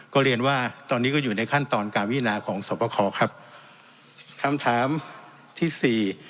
ก็เรียนว่าตอนนี้ก็อยู่ในขั้นตอนการวินาของสวบคอครับคำถามที่สี่